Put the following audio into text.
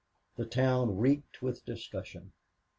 The town reeked with discussion.